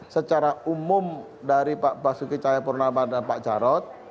secara umum dari pak basuki cahayapurnama dan pak jarod